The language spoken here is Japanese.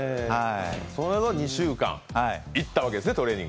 それが２週間、行ったわけですねトレーニング。